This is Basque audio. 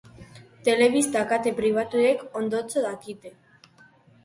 Telebista kate pribatuek ondotxo dakite.